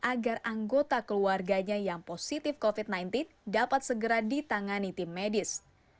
agar anggota keluarganya yang positif covid sembilan belas dapat segera ditangani tim medis